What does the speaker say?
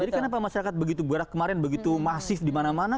kenapa masyarakat begitu berat kemarin begitu masif di mana mana